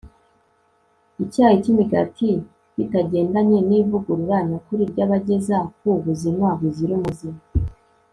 icyayi n'imigati bitagendanye n'ivugurura nyakuri ryabageza ku buzima buzira umuze